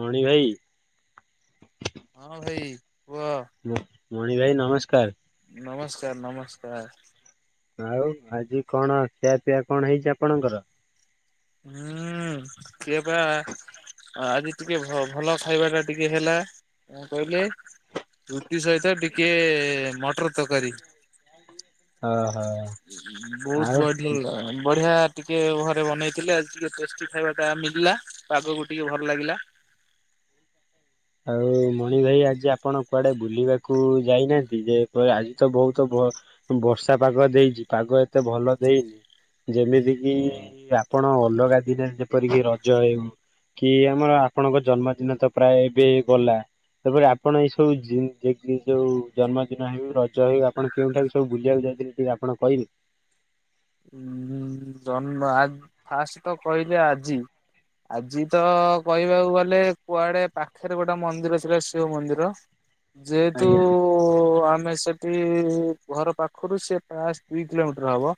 ମଣି ଭାଇ। ହଁ ଭାଇ କୁହ। ମଣି ଭାଇ ନମସ୍କାର। ନମସ୍କାର ନମସ୍କାର। ଆଉ ଆଜି କଣ ଖିଆପିଆ କଣ ହେଇଛି ଆପଣଙ୍କର? ହୁଁ ଖିଆ ପା ହ ଆଜି ଟିକେ ଭ ଭଲ ଖାଇବା ଟା ଟିକେ ହେଲା କ କହିଲେ ରୁଟି ସହିତ ଟିକେ ମଟର ତରକାରୀ। ହ ହ। ଗୁଡ୍ ୱର୍କିଙ୍ଗ ବଢିଆ ଟିକେ ଘରେ ବନେଇଥିଲେ ଆଜି ଟିକେ ଟେଷ୍ଟି ଖାଇବା ଟା ମିଲଲା ପାଗକୁ ଟିକେ ଭଲ ଲାଗିଲା। ଆଉ ମଣି ଭାଇ ଆଜି ଆପଣ କୁଆଡେ ବୁଲିବାକୁ ଯାଇନାହାନ୍ତି ଯେ ପ ଆଜି ତ ବହୁତ ବ ବର୍ଷା ପାଗ ଦେଇଛି ପାଗ ଏତେ ଭଲ ଦେଇନି। ଯେମିତି କିି ଆପଣ ଅଲଗା ଦିନେ ଯେପରିକି ରଜ ହେଉ କି ଆମର ଆପଣଙ୍କ ଜନ୍ମଦିନ ତ ପ୍ରାୟ ଏବେ ଗଲା। ତାପରେ ଆପଣ ଏଇ ସବୁ ଯୋଉ ଜନ୍ମଦିନ ହେଉ ରଜ ହେଉ ଆପଣ କେଉଁଠାକୁ ସବୁ ବୁଲିବାକୁ ଯାଇଥିଲେ ଟିକେ ଆପଣ କହିବେ? ଉଁ ଜନ୍ମ ଫାଷ୍ଟ ତ କହିଲେ ଆଜି ଆଜି ତ କହିବାକୁ ଗଲେ କୁଆଡେ ପାଖରେ ଗୋଟେ ମନ୍ଦିର ଥିଲା ଶିବ ମନ୍ଦିର। ଯେହେତୁ ଆଜ୍ଞା ଆମେ ସେ ସେ ଘର ପାଖରୁ ସେ ବାସ୍ ଦୁଇ କିଲୋମିଟର ହବ।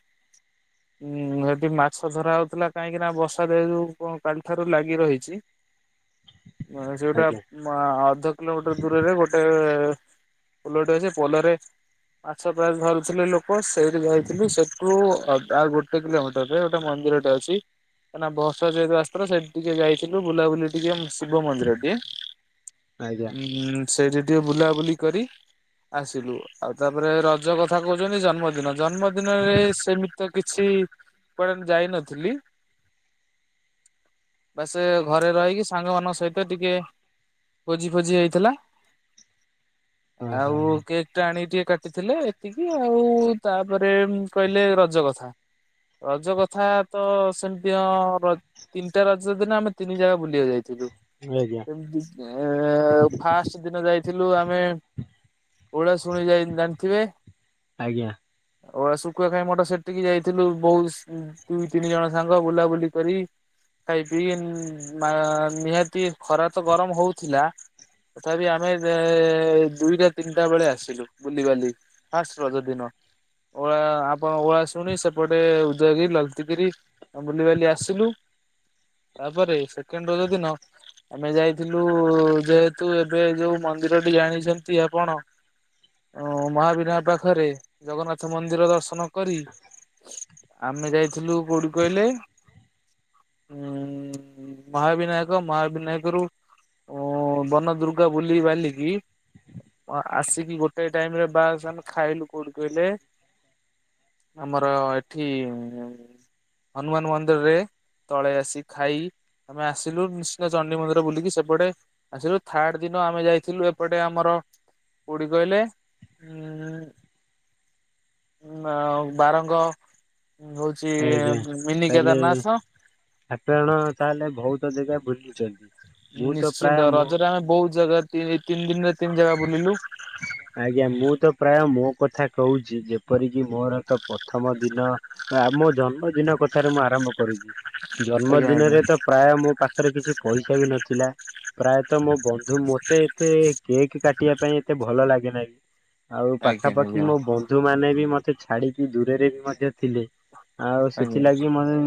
ଉଁ ସେଠି ମାଛ ଧରା ହଉଥିଲା କାହିଁକି ନା ବର୍ଷା ଯେହେତୁ ଯୋଉ କାଲି ଠାରୁ ଲାଗି ରହିଛି। ସେଉଟା ଆଜ୍ଞା ଅଧ କିଲୋମିଟର ଦୂରରେ ଗୋଟେ ପୋଲଟେ ଅଛି। ସେ ପୋଲରେ ମାଛ ପ୍ରାୟ ଧରୁଥିଲେ ଲୋକ। ସେଇଠି ଯାଇଥିଲୁ ସେଠୁ [unintelligible] ଆଉ ଗୋଟେ କିଲୋମିଟରରେ ଗୋଟେ ମନ୍ଦିରଟେ ଅଛି। ନା ନା ବର୍ଷା ଯେହେତୁ ଆସିଥିଲା, ସେଠି ଟିକେ ଯାଇଥିଲୁ ବୁଲାବୁଲି ଟିକେ ଶିବ ଶିବ ମନ୍ଦିରଟିଏ। ଆଜ୍ଞା ଉଁ ସେଇଠି ଟିକେ ବୁଲାବୁଲି କରି ଆସିଲୁ। ଆଉ ତାପରେ ରଜ କଥା କହୁଛନ୍ତି ଜନ୍ମଦିନ ଜନ୍ମଦିନରେ ସେମିତି କିଛି କୁଆଡ଼େ ଯାଇନଥିଲି। ବାସ୍ ଏ ଘରେ ରହିକି ସାଙ୍ଗମାନଙ୍କ ସହିତ ଟିକେ ଭୋଜି ଫୋଜି ହେଇଥିଲା। ଓହୋ ଆଉ କେକ୍ ଟା ଆଣିକି ଟିକେ କାଟିଥିଲେ ଏତିକି ଆଉ। ତାପରେ କହିଲେ ରଜ କଥା। ରଜ କଥା ତ ସେମିତି ହଁ ର ତିନିଟା ରଜ ଦିନ ଆମେ ତିନି ଜାଗା ବୁଲିବାକୁ ଯାଇଥିଲୁ। ଆଜ୍ଞା ଯେମତି ଏଁ ଫାଷ୍ଟ ଦିନ ଯାଇଥିଲୁ ଆମେ ଓଳାଶୁଣୀ ଯାଇ ଜାଣିଥିବେ। ଆଜ୍ଞା ଓଳାଆ ଶୁଖୁଆ ଖାଇ ମଠ ସେଠି ସେଠିକି ଯାଇଥିଲୁ ବୋଉ ଦୁଇ ତିନି ଜଣ ସାଙ୍ଗ ବୁଲାବୁଲି କରି ଖାଇ ପିଇ ନିହାତି ଖରା ତ ଗରମ ହଉଥିଲା। ତଥାପି ଆମେ ଦୁଇଟା-ତିନିଟା ବେଳେ ଆସିଲୁ ବୁଲିିବାଲି। ଫାଷ୍ଟ ରଜ ଦିନ ଓଳା ଆପଣ ଓଳାଶୁଣୀ, ସେପଟେ ଉଦୟଗିରି, ଲଳିତଗିରିି ‌ ଆସିଲୁ। ତାପରେ ସେକେଣ୍ଡ ରଜ ଦିନ ଆମେ ଯାଇଥିଲୁ ଯେହେତୁ ଏବେ ଯୋଉ ମନ୍ଦିରଟି ଜାଣିଛନ୍ତି ଆପଣ ଅ ମହାବିନା ପାଖରେ ଜଗନ୍ନାଥ ମନ୍ଦିର ଦର୍ଶନ କରି ଆମେ ଯାଇଥିଲୁ କୋଉଠି କହିଲେ? ଉଁ ମହାବିନାୟକ ମହାବିନାୟକ ରୁ ଓ ବନଦୁର୍ଗା ବୁଲି ବାଲିକି ଆସିକି ଗୋଟେ ଟାଇମରେ ବାସ୍ ଆମେ ଖାଇଲୁ କୋଉଠି କହିଲେ? ଆମର ଏଠି ହନୁମାନ ମନ୍ଦିରରେ। ତଳେ ଆସି ଖାଇ ଆମେ ଆସିଲୁ ନିଶ୍ଚିତ ଚଣ୍ଡୀ ମନ୍ଦିର ବୁଲିକି ସେପଟେ ଆସିଲୁ ଥାର୍ଡ ଦିନ ଆମେ ଯାଇଥିଲୁ ଏପଟେ ଆମର କୋଉଠି କହିଲେ? ଉଁ - ଉଁ ଆଉ ବାରଙ୍ଗ ହଉଛି ଆଜ୍ଞା। ମିନି ତାହେଲେ କେଦାରନାଥ। ଆପଣ ତାହେଲେ ବହୁତ ଜାଗା ବୁଲିଛନ୍ତି। ମୁଁ ତ ପ୍ରାୟ ନିଶ୍ଚିନ୍ତ ମୁଁ ରଜରେ ଆମେ ବହୁତ ଜାଗା ତିନି ଦିନରେ ତିନି ଜାଗା ବୁଲିଲୁ। ଆଜ୍ଞା ମୁଁ ତ ପ୍ରାୟ ମୋ କଥା କହୁଛି, ଯେପରିକି ମୋର ତ ପ୍ରଥମ ଦିନ ମୋ ଜନ୍ମଦିନ କଥାରେ ମୁଁ ଆରମ୍ଭ କରିୁଛି। ଆଜ୍ଞା ଆଜ୍ଞା। ଜନ୍ମଦିନରେ ତ ପ୍ରାୟ ମୋ ପାଖରେ କିଛି ପଇସା ବି ନଥିଲା। ପ୍ରାୟତଃ ମୋ ବନ୍ଧୁ ମତେ ଏତେ କେକ୍ କାଟିବା ପାଇଁ ଏତେ ଭଲ ଲାଗେ ନାହିଁ। ଆଉ ଆଜ୍ଞା ପାଖାପାଖି ଆଜ୍ଞା ମୋ ବନ୍ଧୁ ଯଉମାନେ ବି ମତେ ଛାଡିକି ଦୂରରେ ବି ମଧ୍ୟ ଥିଲେ ଆଉ ଆଜ୍ଞା ସେଥିଲାଗି ମ ହୁଁ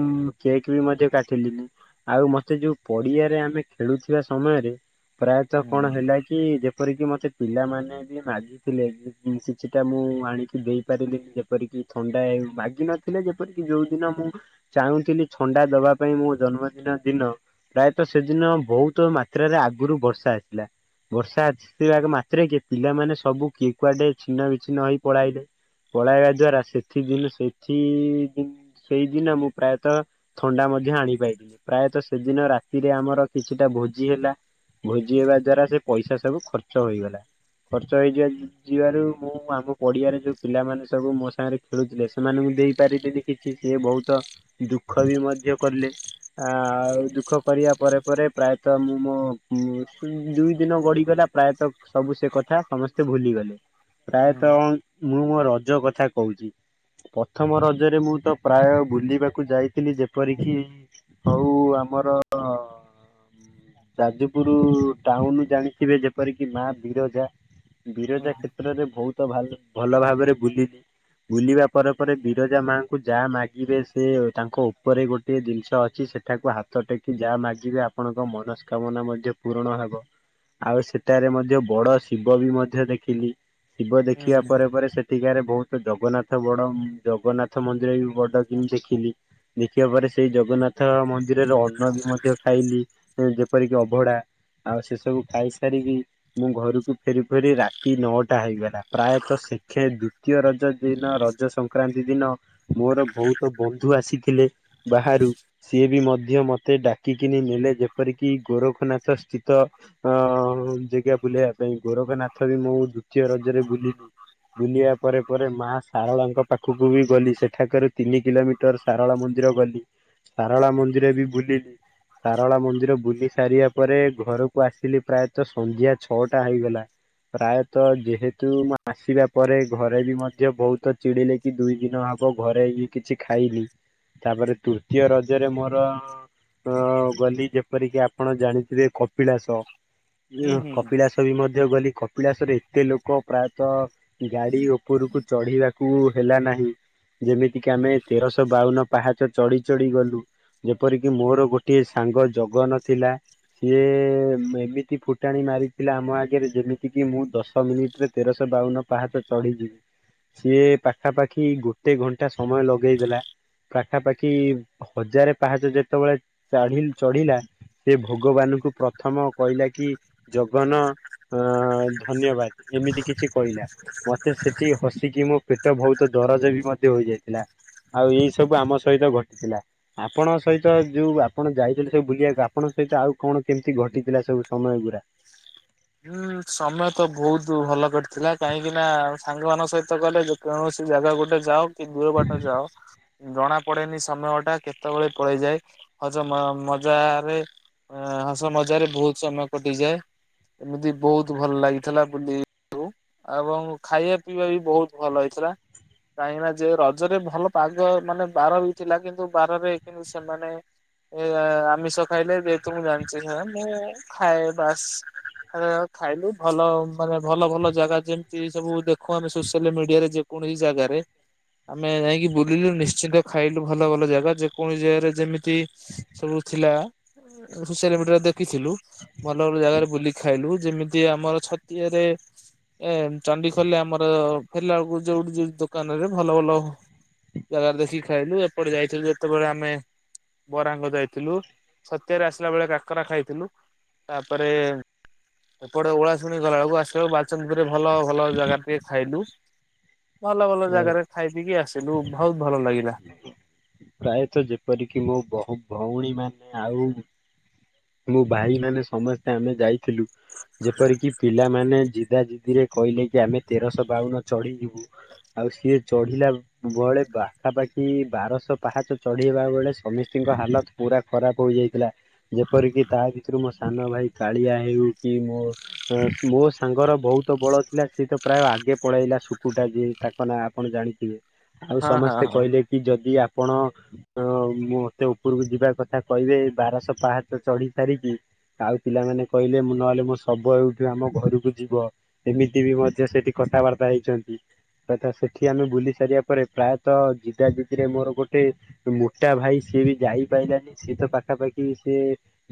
କେକ୍ ବି ମଧ୍ୟ କାଟିଲିନି। ଆଉ ମତେ ଯୋଉ ପଡିଆରେ ଆମେ ଖେଳୁଥିବା ସମୟରେ ପ୍ରାୟତଃ ହୁଁ କଣ ହେଲା କି ଯେ ଏପରିକି ମତେ ପିଲାମାନେ ବି ମାଗି ଥିଲେ କିଛିଟା ମୁଁ ଆଣିକି ଦେଇପାରିଲିନି ଯେପରିକି ଥଣ୍ଡା ଏ ମାଗିନ ଥିଲେ ଯେପରିକି ଯୋଉ ଦିନ ମୁଁ ଚାହୁଁଥିଲି ଥଣ୍ଡା ଦବା ପାଇଁ ମୋ ଜନ୍ମଦିନ ଦିନ ପ୍ରାୟତଃ ସେଦିନ ବହୁତ ମାତ୍ରାରେ ଆଗରୁ ବର୍ଷା ଆସିଲା ବର୍ଷା ସେ ଆଗେ ମାତ୍ରେକେ ପିଲାମାନେେ ସବୁ କିଏ କୁଆଡେ ଛିନ୍ନ ବିଛିନ୍ନ ହୋଇ ପଳାଇଲେ। ପଳାଇବା ଦ୍ଵାରା ସେଥି ଦିନ ସେଥି ସେଇଦିନ ମୁଁ ପ୍ରାୟତଃ ଥଣ୍ଡା ମଧ୍ୟ ଆଣିପାଇଲିିନି ପ୍ରାୟତଃ ସେଦିନ ରାତିରେ ଆମର କିଛିଟା ଭୋଜି ହେଲା ଭୋଜି ହେବା ଦ୍ଵାରା ସେ ପଇସା ସବୁ ଖର୍ଚ୍ଚ ହୋଇଗଲା। ଖର୍ଚ୍ଚ ହେଇଯିବା ଯିବାରୁ ମୁଁ ଆମ ପଡିଆରେ ଯୋଉ ପିଲାମାନେ ସବୁ ମୋ ସାଙ୍ଗରେ ଖେଳୁଥିଲେ ସେମାନଙ୍କୁ ଦେଇପାରିନି କିଛି ସେ ବହୁତ ଦୁଃଖ ବି ମଧ୍ୟ କଲେ। ଆ ଆଉ ଦୁଃଖ କରିବା ପରେ ପରେ ପ୍ରାୟତଃ ମୁଁ ମୋ ଦୁଇ ଦିନ ଗଡିଗଲା। ପ୍ରାୟତଃ ସବୁ ସେ କଥା ସମସ୍ତେ ଭୁଲିଗଲେ। ହୁଁ ପ୍ରାୟତଃ ମୁଁ ମୋ ରଜ କଥା କହୁଛି। ପଥମ ରଜରେ ମୁଁ ତ ପ୍ରାୟ ବୁଲିବାକୁ ଯାଇଥିଲି ଯେପରିକି ହଉ ଆମର ଯାଜପୁର ଟାଉନ ଜାଣିଥିବେ ଯେପ ଯେପରିକି ମା ବିରଜା ହୁଁ ହୁଁ ବିରଜା ହୁଁ କ୍ଷେତ୍ରରେ ବହୁତଭା ଭଲ ଭାବରେ ବୁଲିିଲି। ବୁଲିବା ପରେ ପରେ ବିରଜା ମାଙ୍କୁ ଯାହା ମାଗିବେ ସେ ତାଙ୍କ ଉପରେ ଗୋଟେ ଜିନିଷ ଅଛି ସେ ସେଠାକୁ ହାତ ଟେକି ଯାହା ମାଗିବେ ଆପଣଙ୍କ ମନସ୍କାମନା ମଧ୍ୟ ପୂରଣ ହବ ଆଉ ସେ ସେଠାରେ ମଧ୍ୟ ବଡ ଶିବ ବି ମଧ୍ୟ ଦେଖିଲି ଶିବ ଦେଖିବା ହୁଁ ପରେ ପରେ ସେ ସେଠିକାରେ ବହୁତ ଜଗନ୍ନାଥ ବଡ ଜଗନ୍ନାଥ ମନ୍ଦିର ବି ବଡ କିମ ଦେଖିଲି। ଦେଖିବା ପରେ ସେଇ ଜଗନ୍ନାଥ ମନ୍ଦିରରେ ଅନ୍ନ ବି ମଧ୍ୟ ଖାଇଲି। ଯେପରିକି ଅଭଡା ଆଉ ସେ ସବୁ ଖାଇ ସାରିକି ମୁଁ ଘରକୁ ଫେରି ଫେରି ରାତି ନଅଟା ହେଇଗଲା ପ୍ରାୟତଃ ଶେଖେ ଦ୍ଵିତୀୟ ରଜ ଦିନ ରଜସଙ୍କ ସଂକ୍ରାନ୍ତି ଦିନ ମୋର ବହୁତ ବନ୍ଧୁ ଆସିଥିଲେ ବାହାରୁ ସିଏ ବି ମଧ୍ୟ ମତେ ଡାକିକିନି ନେଲେ ଯେପରିକି ଗୋରଖନାଥ ସ୍ଥିତ ଅ ଯେଗା ବୁଲାଇବା ପାଇଁ ଗୋରଖନାଥ ବି ମୁଁ ଦ୍ଵିତୀୟ ରଜରେ ବୁଲିିଲି। ବୁଲିବା ପରେ ପରେ ମା ଶାରଳାଙ୍କ ପାଖକୁ ବି ଗଲି ସେଠାକାର ତିନି କିଲୋମିଟ ତାରେ ସାରଳା ମନ୍ଦିର ଗଲି ସାରଳା ମନ୍ଦିର ବି ବୁଲିଲି। ସାରଳା ମନ୍ଦିର ବୁଲି ସାରିବା ପରେ ଘରକୁ ଆସିଲି ପ୍ରାୟ ତ ସନ୍ଧ୍ୟା ଛଅଟା ହେଇଗଲା। ପ୍ରାୟତଃ ଯେହେତୁ ମୁଁ ଆସିବା ପରେ ଘରେ ବି ମଧ୍ୟ ବହୁତ ଚିଡିଲେ। କି ଦୁଇ ଦିନ ହବ ଘରେ ହେଇକି କିଛି ଖାଇଲିି ତାପରେ ତୃତୀୟ ରଜରେ ମୋର ଅ ଗଲି ଯେପରିକି ଆପଣ ଜାଣିଥିବେ କପିଳାସ। ହୁଁ ହୁଁ। କପିଳାସ ବି ମଧ୍ୟ ଗଲି କପିଳାସରେ ଏତେ ଲୋକ ପ୍ରାୟତଃ ଗାଡି ଉପରକୁ ଚଢିବାକୁ ହେଲା ନାହିଁ। ଯେମିତିକି ଆମେ ତେରଶହ ବାଉନ ପାହାଚ ଚଢି ଚଢି ଗଲୁ। ଯେପରିକି ମୋର ଗୋଟିଏ ସାଙ୍ଗ ଜଗନ ଥିଲା ସିଏ ଏମିତି ଫୁ ଟାଣି ମାରିଥିଲା ଆମ ଆଗରେ ଯେମିତିକି ମୁଁ ଦଶ ମିନିଟରେ ତେରଶହ ବାଉନ ପାହାଚ ଚଢ଼ିଯିବି। ସିଏ ପାଖାପାଖି ଗୋଟେ ଘଣ୍ଟା ସମୟ ଲଗେଇ ଦେଲା। ପାଖାପାଖି ହଜାରେ ପାହାଚ ଯେତେବେଳେ ଚଢୀଲ ଚଢିଲା। ସେ ଭଗବାନଙ୍କୁ ପ୍ରଥମ କହିଲା କି ଜଗନ ଅ ଧନ୍ୟବାଦ ଏମିତି କିଛି କହିଲା। ମତେ ସେଠି ହସିକି ମୋ ପେଟ ବହୁତ ଦରଜ ବି ମଧ୍ୟ ହୋଇଯାଇଥିଲା। ଆଉ ଏଇ ସବୁ ଆମ ସହିତ ଘଟିଥିଲା। ଆପଣଙ୍କ ସହିତ ଯୋଉ ଆପଣ ଯାଇଛନ୍ତି ସବୁ ବୁଲିବାକୁ ଆପଣଙ୍କ ସହିତ ଆଉ କଣ କେମିତି ଘଟିଥିଲା ସବୁ ସମୟ ଗୁଡା? ହୁଁ ସମୟ ତ ବହୁତ ଭଲ କରିଥିଲା କାହିଁକି ନା ସାଙ୍ଗମାନାନଙ୍କ ସହିତ ଗଲେ କୌଣସି ଜାଗା ଗୋଟେ ଯାଅ କି ଦୂର ବାଟ ଯାଅ ଜଣା ପଡେନି ସମୟଟା କେତେବେଳେ ପଳେଇଯାଏ ହଜ ମଜାରେ ଅ ହସ ମଜାରେ ବହୁତ ସମୟ କଟିଯାଏ। ଏମିତି ବହୁତ ଭଲ ଲାଗିଥିଲା ବୁଲି ଏବଂ ଖାଇବା ପିଇବା ବି ବହୁତ ଭଲ ହେଇଥିଲା। କାହିଁକି ନା ଯେ ରଜରେ ଭଲ ପାଗ ମାନେ ବାର ବି ଥିଲା କିନ୍ତୁ ବାରରେ କି ସେମାନେ ଏ ଆମିଷ ଖାଇଲେ ଯେହେତୁ ମୁଁ ଜାଣିଛି ସେ ମୁ ଖାଏ ବାସ୍ ଖା ଖାଇଲୁ ଭଲ ମାନେ ଭଲ ଭଲ ଜି ଜାଗା ଯେମିତି ସବୁ ଦେଖୁ ଆମେ ସୋସିଆଲ ମିଡିଆରେ ଯେକୌଣସି ଜାଗାରେ ଆମେ ଯାଇକି ବୁଲିଲୁ ନିଶ୍ଚିନ୍ତ ଖାଇଲୁ ଭଲ ଭଲ ଜାଗା ଯେକୌଣସି ଜାଗାରେ ଯେମିତି ସବୁ ଥିଲା ସୋସିଆଲ ମିଡିଆରେ ଦେଖିଥିଲୁ ଭଲ ଭଲ ଜାଗାରେ ବୁଲି ଖାଇଲୁ ଯେମିତି ଆମର ଛତିଆରେ ଏ ଚଣ୍ଡିଖୋଲରେ ଆମର ଫେରିଲାବେଳକୁ ଯୋଉଠି ଯୋ ଦୋକାନ ରେ ଭଲ ଭଲ ଜାଗାରେ ଦେଖିକି ଖାଇଲୁ। ଏପଟେ ଯାଇଥିଲୁ ଯେତେବେଳେ ଆମେ ବରାଙ୍ଗ ଯାଇଥିଲୁ। ଛତିଆରେ ଆସିଲା ବେଳେ କାକରା ଖାଇଥିଲୁ। ତାପରେ ଏପଟେ ଓଳାଶୁଣି ଗଲାବେଳକୁ ଆସିଲା ବଳକୁ ବା ସନପୁରରେ ଭଲ ଭଲ ଜାଗାରେ ଟିକେ ଖାଇଲୁ। ଭଲ ଭଲ ଜାଗାରେ ଖାଇ ପିଇକି ଆସିଲୁ ବହୁତ ଭଲ ଲାଗିଲା। ପ୍ରାୟତଃ ଯେପରିକି ମୋ ବହୁ ଭଉଣୀ ମାନେ ଆଉ ମୋ ଭାଇମାନେ ସମସ୍ତେ ଆମେ ଯାଇଥିଲୁ। ଯେପରିକି ପିଲାମାନେ ଜିଦା ଜିଦିରେ କହିଲେ କି ଆମେ ତେରଶହ ବାଉନ ଚଢିଯିବୁ। ଆଉ ସିଏ ଚଢିଲା ବଳେ ପାଖାପାଖି ବାରଶହ ପାହାଚ ଚଢି ହେବା ବେଳେ ସମିସ୍ତିଙ୍କ ହାଲତ ପୁରା ଖରାପ ହୋଇଯାଇଥିଲା। ଯେପରିକି ତା ଭିତରୁ ମୋ ସାନ ଭାଇ କାଳିଆ ହେଉ କି ମୋ ଅ ମୋ ସାଙ୍ଗର ବହୁତ ବଳ ଥିଲା ସିଏ ତ ପ୍ରାୟ ଆଗେ ପଳେଇଲା ଶୁକୁଟା ଯିଏ। ଥାକ ନା ଆପଣ ଜାଣିଥିବେ ଆଉ ହଁ ହଁ ସମସ୍ତେ ହଁ। କହିଲେ କି ଯଦି ଆପଣ ଉ ମତେ ଉପରକୁ ଯିବା କଥା କହିବେ ବାରଶହ ପାହାଚ ଚଢି ସାରିିକି ଆଉ ପିଲାମାନେ କହିଲେ ମୁଁ ନହେଲେ ମୋ ଶବ ଏଇଠୁ ଆମ ଘରକୁ ଯିବ। ଏମିତି ବି ମଧ୍ୟ ସେଠି କଥାବାର୍ତ୍ତା ହେଇଛନ୍ତି। ତଥା ସେଠି ଆମେ ବୁଲି ସାରିବା ପରେ ପ୍ରାୟତଃ ଜିଦା ଜିଦିରେ ମୋର ଗୋଟେ ଗୋଟେ ମୋଟା ଭାଇ ସିଏ ବି ଯାଇପାରିଲାନି ସିଏ ତ ପାଖାପାଖି ସିଏ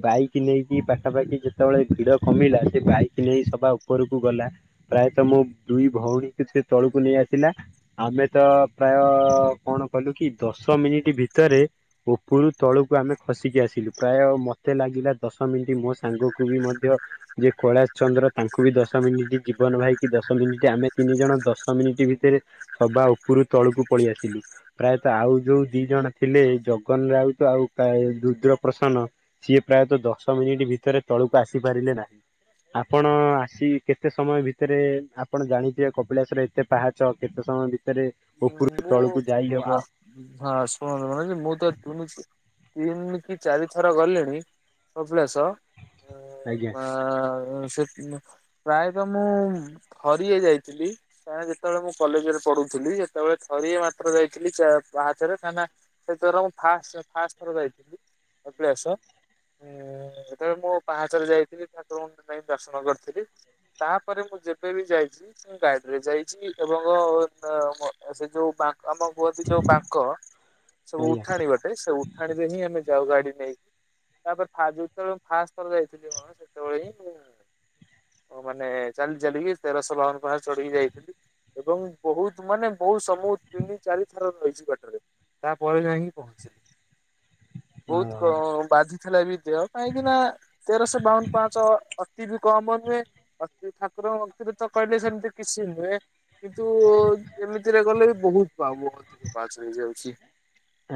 ବାଇକ ନେଇକି ପାଖାପାଖି ଯେତେବେଳେ ଭିଡ କମିଲା ସେ ବାଇକ ନେଇ ସବା ଉପରକୁ ଗଲା। ପ୍ରାୟତଃ ମୋ ଦୁଇ ଭଉଣୀକୁ ସେ ତଳକୁ ନେଇ ଆସିଲା। ଆମେ ତ ପ୍ରାୟ କଣ କଲୁ କି ଦଶ ମିନିଟ ଭିତରେ ଉପରୁ ତଳକୁ ଆମେ ଖସିକି ଆସିଲୁ ପ୍ରାୟ ମତେ ଲାଗିଲା ଦଶ ମିନିଟ ମୋ ସାଙ୍ଗକୁ ବି ମଧ୍ୟ ଯେ କୈଳାସ ଚନ୍ଦ୍ର ତାଙ୍କୁ ବି ଦଶ ମିନିଟ ଜୀବନ ଭାଇକି ଦଶ ମିନିଟ ଆମେ ତିନି ଜଣ ଦଶ ମିନିଟ ଭିତରେ ସବା ଉପରୁ ତଳକୁ ପଳେଇ ଆସିଲୁ। ପ୍ରାୟତଃ ଆଉ ଯୋଉ ଦି ଜଣ ଥିଲେ ଜଗନ ରାଉତ ଆଉ କା ରୁଦ୍ର ପ୍ରସନ୍ନ ସିଏ ପ୍ରାୟତଃ ଦଶ ମିନିଟ୍ ଭିତରେ ତଳକୁ ଆସିପାରିଲେ ନାହିଁ ଆପଣ ଆସି କେତେ ସମୟ ଭିତରେ ଆପଣ ଜାଣିଥିବେ କପିଳାଶରେ କେତେ ପାହାଚ କେତେ ସମୟ ଭିତରେ ଉପରୁ ତଳକୁ ମୁଁ ଆ ଯାଇହବ ହଁ ଶୁଣନ୍ତ ମାନେ ମୁଁ ତ ତିନ ତିନି ଏମତି ଚାରିଥର ଗଲେଣି କପିଳାସ ଆଜ୍ଞା। ଆ ସେ ପ୍ରାୟତଃ ମୁଁ ଥରିଏ ଯାଇଥିଲି କାଁ ଯେତେବେଳେ ମୁଁ କଲେଜ ରେ ପଢୁଥିଲି ସେତେବେଳେ ଥରି ଯାଇଥିଲି ହହାଚରେ କାହିଁକିନା ସେଥିାର ମୁଁ ଫାଷ୍ଟ ଫାଷ୍ଟ ଥର ଯାଇଥିଲି। କପିଳାସ ଉଁ ସେତେବେଳେ ମୁଁ ପାହାଚରେ ଯାଇଥିଲି ଠାକୁରଙ୍କୁ ପାଇଁ ଦର୍ଶନ କରିଥିଲି। ତାପରେ ମୁଁ ଯେବେ ବି ଯାଇଛି ମୁଁ ଗାଡିରେ ଯାଇଛି ଏବଂ ସେ ଯୋଉ ପା ଆମ ବୁହଦ ଯୋଉ ବାଙ୍କ ସବୁ ଆଜ୍ଞା ଉଠାଣିବଟ ସେ ଉଠାଣିରେ ହିଁ ଆମେ ଯାଉ ଗାଡି ନେଇକି ତାପରେ ଯେତେବେଳେ ମୁଁ ଫାଷ୍ଟ ଯାଇଥିଲି ସେତେବେଳେ ହିଁଁ ଓ ମାନେ ଚାଲି ଚାଲିକି ତେରଶହ ଲହଙ୍କ ପାଖରେ ଚଢିକି ଯାଇଥିଲି। ଏବଂ ବହୁତ ମାନେ ବହୁତ ସମୟ ତିନି ଚାରି ଥର ରହିଛି ବାଟରେ ତାପରେ ଯାଇକି ପହଞ୍ଚିଲି। ଅ ବହୁତ କ ବାଧୁଥିଲା ବି ଦେହ କାହିଁକିନା ତେରଶହ ବାଉନ ପାଞ୍ଚ ଅତି ବି କମ ନୁହେ ଅତି ଠାକୁରଙ୍କ ଭକ୍ତିରେ ତ କହିଲେ ସେମିତି କିଛି ନୁହେଁ କିନ୍ତୁ ଏମିତିରେ ଗଲେ ବି ବହୁତ ପାଉ ମୁଁ ଅଧିକ ପାଚ ହେଇଯାଉଛି।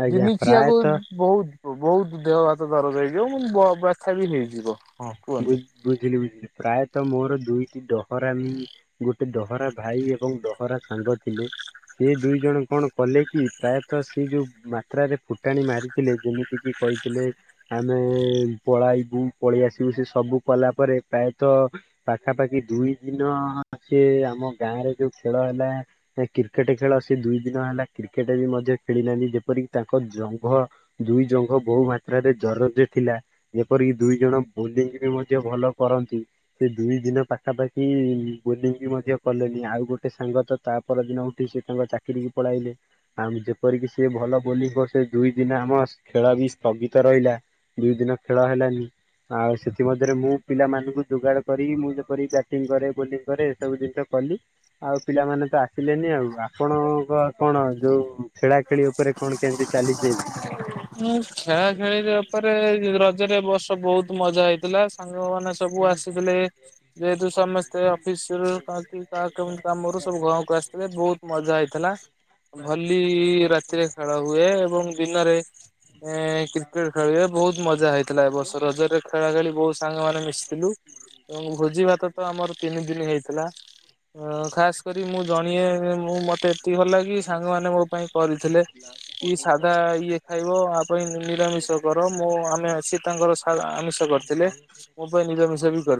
ଆଜ୍ଞା ଦିନିକିଆକୁ ପ୍ରାୟତଃ ବହୁତ ବହୁତ ଦେହ ହାତ ଦରଜ ହେଇଯିବ ବାଛା ବି ହେଇଯିବ ହଁ। କୁହନ୍ତୁ। ବୁଝିଲି ବୁଝିଲି ପ୍ରାୟତଃ ମୋର ଦୁଇଟି ଡହରା ଆମ ଗୋଟେ ଡହରା ଭାଇ ଏବଂ ଡହରା ସାଙ୍ଗ ଥିଲେ ସେ ଦୁଇ ଜଣ କଣ କଲେ କି ପ୍ରାୟତଃ ସେ ଯୋଉ ମାତ୍ରାରେ ଫୁଟାଣି ମାରିଥିଲେ ଯେମିତି କିି କହିଥିଲେ ଆମେ ପଳେଇବୁ ପଳେଇ ଆସୁ ସେ ସବୁ କଲା ପରେ ପ୍ରାୟତଃ ପାଖାପାଖି ଦୁଇ ଦିନ ସେ ଆମ ଗାଁରେ ଯୋଉ ଖେଳ ହେଲା। କ୍ରିକେଟ ଖେଳ ସେ ଦୁଇ ଦିନ ହେଲା କ୍ରିକେଟ ବି ମଧ୍ୟ ଖେଳିନାହାନ୍ତି ଯେପରିକି ତାଙ୍କ ଜଙ୍ଘ ଦୁଇ ଜଙ୍କ ବହୁ ମାତ୍ରାରେ ଜରରେ ଥିଲା ଯେପରିକି ଦୁଇ ଜଣ ବୁଲିିକ ବି ମଧ୍ୟ ଭଲ କରନ୍ତି। ସେ ଦୁଇ ଦିନ ପାଖାପାଖି ବୋଲିଂ ବି ମଧ୍ୟ କଲେଣିି ଆଉ ଗୋଟେ ସାଙ୍ଗ ତ ତା ପରଦିନ ଉଠି ସେ ତାଙ୍କ ଚାକିରରି କି ପଳାଇଲେ। ଆଉ ଯେପରିକି ସିଏ ଭଲ ବୋଲିଂ କର ସେ ଦୁଇ ଦିନ ଆମ ଖେଳ ବି ସ୍ଥଗିତ ରହିଲା। ଦୁଇ ଦିନ ଖେଳ ହେଲାନି। ଆଉ ସେଥିମରେ ମୁଁ ପିଲାମାନଙ୍କୁ ଯୋଗାଡ଼ କରିି ମୁଁ ଯେପରି ବ୍ୟାଟିଂ କରେ ବୋଲିଂ କରେ ଏସବୁ ଜିନିଷ କଲି ଆଉ ପିଲାମାନେ ତ ଆସିଲେନି ଆଉ। ଆପଣଙ୍କ କଣ ଯୋଉ ଖେଳାଖେଳି ଉପରେ କଣ କେମିତି ଚାଲିଛି ଏବେ। ମୁଁ ଖେଳା ଖେଳି ଉପରେ ରଜରେ ବର୍ଷ ବହୁତ ମଜା ହେଇଥିଲା ସାଙ୍ଗ ମାନ ସବୁ ଆସିଥିଲେ। ଯେହେତୁ ସମସ୍ତେ ଅଫିସ ରୁ କ କାହା କେମିତି କାମରୁ ସବୁ ଘଁ କ ଆସିଥିଲେ ବହୁତ ମଜା ହେଇଥିଲା ଭଲି ରାତିରେ ଖେଳ ହୁଏ, ଏବଂ ଦିନରେ ଏ କ୍ରିକେଟ ଖେଳିବେ ବହୁତ ମଜା ହେଇଥିଲା ଏ ବର୍ଷ ରଜରେ ଖେଳା ଖେଳି ବହୁତ ସାଙ୍ଗମାନୋନେ ମିଶିଥିଲୁ। ଏବଂ ଭୋଜି ଭାତ ତ ଆମର ତିନି ଦିନ ହେଇଥିଲା। ଅ ଖାସ କରି ମୁଁ ଜଣିଏ ମୁଁ ମତେ ଏତିକି ଭଲ ଲାଗେ ସାଙ୍ଗମାନେ ମୋ ପାଇଁ କରିଥିଲେ। ଫ କି ସାଧା ପ ଇଏ ଖାଇବ ଆ ପାଇଁ ନିରାମିଷ କର ମୋ ଆମେ ସିଏ ତାଙ୍କର ଆମିଷ କରିଥିଲେ। ମୋ ପାଇଁ ନିରାମିଷ ବି କର